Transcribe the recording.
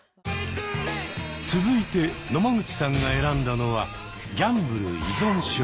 続いて野間口さんが選んだのは「ギャンブル依存症」。